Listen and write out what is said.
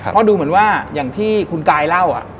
เพราะดูเหมือนว่าอย่างที่คุณกายเล่า